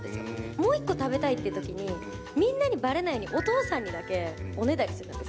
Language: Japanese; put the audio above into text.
もう一個食べたいってときに、みんなにばれないようにお父さんにだけ、おねだりするんです。